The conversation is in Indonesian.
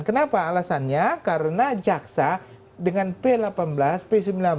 kenapa alasannya karena jaksa dengan p delapan belas p sembilan belas